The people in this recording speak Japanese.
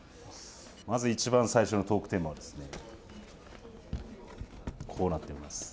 まずいちばん最初のトークテーマはですね、こうなってます。